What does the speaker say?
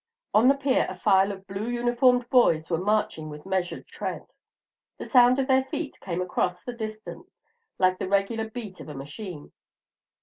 On the pier a file of blue uniformed boys were marching with measured tread. The sound of their feet came across the distance like the regular beat of a machine.